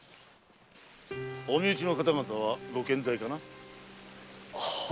お身内の方々はご健在かな？は。